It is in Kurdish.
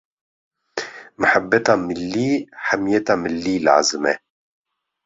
mihebeta millî, hemiyeta millî lazim e.